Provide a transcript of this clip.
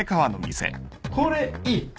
これいい。